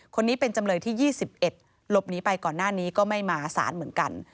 คนนี้เป็นจำเลยที่๒๑หลบหนีไปก่อนหน้านี้ก็ไม่มาสารเหมือนกัน